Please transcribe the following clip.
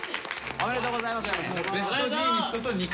ありがとうございます。